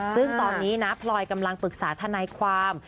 ซึ่งตอนนี้นะพลอยกำลังปรึกษาทนายความ